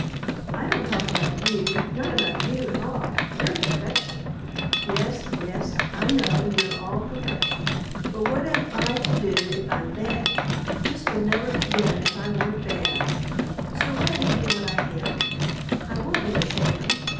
"I don't talk about you, not about you at all. You're perfection. Yes, yes, I know you're all perfection; but what am I to do if I'm bad? This would never have been if I weren't bad. So let me be what I am. I won't be a sham.